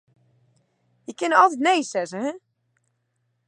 Je kinne altyd nee sizze, hin.